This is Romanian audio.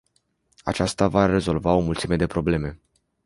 Aceasta va rezolva o mulțime de probleme.